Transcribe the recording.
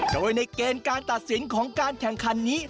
โดยในเกณฑ์การตัดสินของการแข่งขันนี้